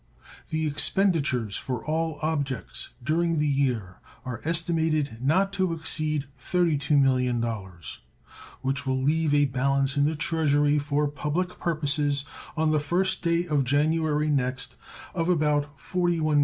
The expenditures for all objects during the year are estimated not to exceed $32,000,000, which will leave a balance in the Treasury for public purposes on the first day of January next of about $41,723,959.